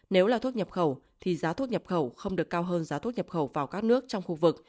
nếu là thuốc nhập khẩu thì giá thuốc nhập khẩu không được cao hơn giá thuốc nhập khẩu vào các nước trong khu vực